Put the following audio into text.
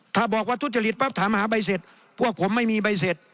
ถ้าบอกว่าทุจริตปั๊บถามหาใบเสร็จพวกผมไม่มีใบเสร็จ